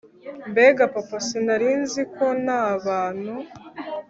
mbega papa sinarinziko nabantu